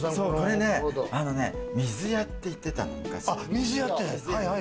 これね水屋って言ってたの、昔。